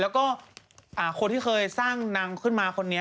แล้วก็คนที่เคยสร้างนางขึ้นมาคนนี้